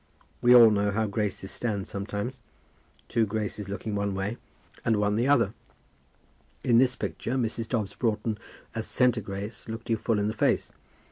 We all know how Graces stand sometimes; two Graces looking one way, and one the other. In this picture, Mrs. Dobbs Broughton as centre Grace looked you full in the face.